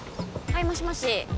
はいもしもし☎